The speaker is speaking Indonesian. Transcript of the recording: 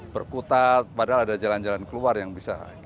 berkutat padahal ada jalan jalan keluar yang bisa kita lalui sebenarnya